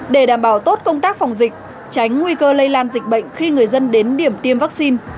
để đảm bảo tốt công tác phòng dịch tránh nguy cơ lây lan dịch bệnh khi người dân đến điểm tiêm vaccine